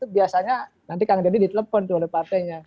biasanya nanti kang deddy ditelepon tuh oleh partainya